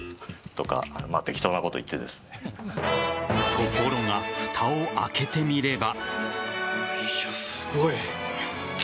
ところが、ふたを開けてみれば。